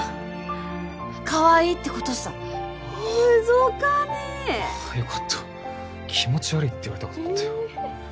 かわいいってことっさああむぞかねよかった気持ち悪いって言われたかと思ったよ